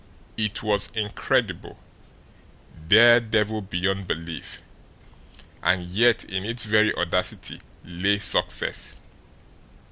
It was incredible, dare devil beyond belief and yet in its very audacity lay success.